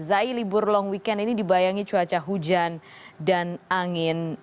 zai libur long weekend ini dibayangi cuaca hujan dan angin